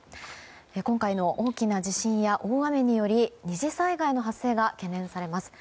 今回の大きな地震や大雨により２次災害の発生が懸念されます。